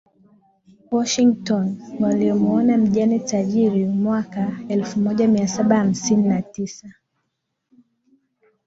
Washington alimuoa mjane tajiri mwaka elfumoja mia saba hamsini na tisa